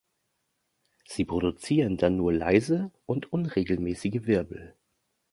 Sie produzieren dann nur leise und unregelmäßige Wirbel.